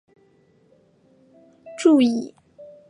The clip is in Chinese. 注意某些是有歧义的。